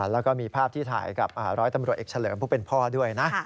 แล้วก็มีภาพที่ถ่ายกับร้อยตำรวจเอกเฉลิมผู้เป็นพ่อด้วยนะ